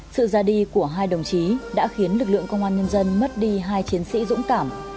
sự ra đi của hai đồng chí đã khiến lực lượng công an nhân dân mất đi hai chiến sĩ dũng cảm